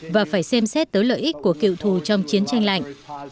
và phải xem xét tới lợi ích của cựu thù trong chiến tranh lạnh